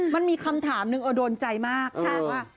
มันมีคำถามนึงโดนใจมากค่ะว่า